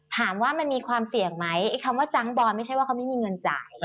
ถามว่ามันมีความเสี่ยงไหมไอ้คำว่าจังบอยไม่ใช่ว่าเขาไม่มีเงินจ่าย